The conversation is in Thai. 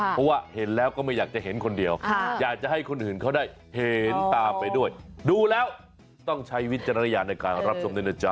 เพราะว่าเห็นแล้วก็ไม่อยากจะเห็นคนเดียวอยากจะให้คนอื่นเขาได้เห็นตามไปด้วยดูแล้วต้องใช้วิจารณญาณในการรับชมด้วยนะจ๊